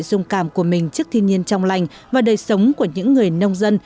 dung cảm của mình trước thiên nhiên trong lành và đời sống của những người nông dân